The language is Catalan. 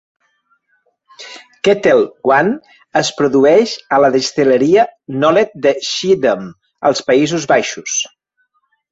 Ketel One es produeix a la destil·leria Nolet de Schiedam, als Països Baixos.